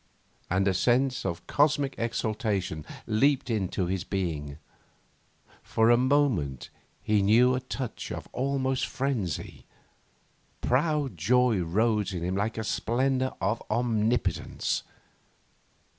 And a sense of cosmic exultation leaped into his being. For a moment he knew a touch of almost frenzy. Proud joy rose in him like a splendour of omnipotence.